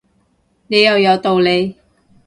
你又有道理